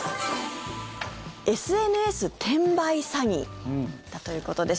ＳＮＳ転売詐欺だということです。